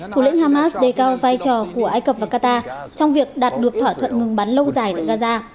thủ lĩnh hamas đề cao vai trò của ai cập và qatar trong việc đạt được thỏa thuận ngừng bắn lâu dài tại gaza